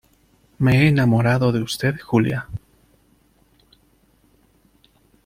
me he enamorado de usted, Julia.